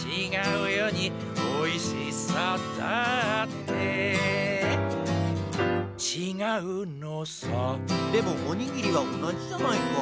「おいしさだって」「ちがうのさ」でもおにぎりは同じじゃないか。